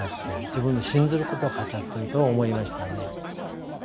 自分の信ずることを語ってると思いましたね。